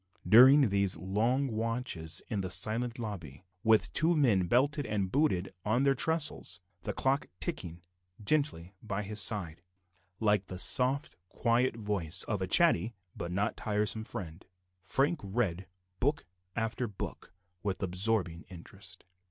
During these long watches in the silent lobby, with the two men belted and booted on their tressels, the clock ticking gently by his side, like the soft quiet voice of a chatty but not tiresome friend, Frank read book after book with absorbing interest.